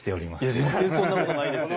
全然そんなことないですよ。